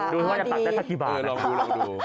ดูว่าจะตักได้ตั้งกี่บาท